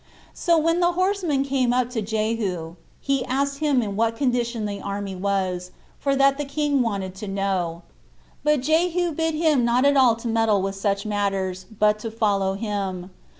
So when the horseman came up to Jehu, he asked him in what condition the army was, for that the king wanted to know it; but Jehu bid him not at all to meddle with such matters, but to follow him.